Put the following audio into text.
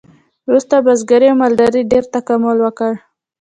وروسته بزګرۍ او مالدارۍ ډیر تکامل وکړ.